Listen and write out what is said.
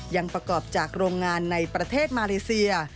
ยังประกอบจากโรงงานในประเทศมาเลเซีย